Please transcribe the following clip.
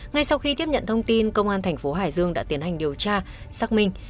ngay sau khi tiếp nhận thông tin công an thành phố hải dương đã tiến hành điều tra xác minh